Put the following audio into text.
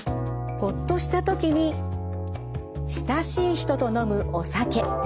ほっとした時に親しい人と飲むお酒。